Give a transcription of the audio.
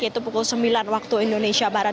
yaitu pukul sembilan waktu indonesia barat